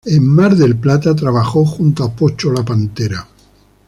En Mar del Plata trabajó junto a Pocho La Pantera.